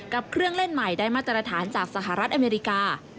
เครื่องเล่นใหม่ได้มาตรฐานจากสหรัฐอเมริกา